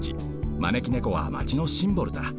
まねきねこはマチのシンボルだ。